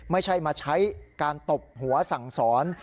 ไม่ใช่มาใช้การตบหัวสั่งสอน